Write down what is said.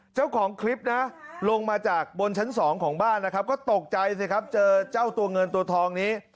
เจ้าของคลิปนะลงมาจากบนชั้นสองของบ้านนะครับก็ตกใจสิครับเจอเจ้าตัวเงินตัวทองนี้